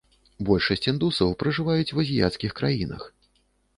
Большасць індусаў пражываюць у азіяцкіх краінах.